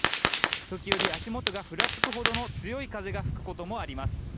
時折、足元がふらつくほどの強い風が吹くこともあります。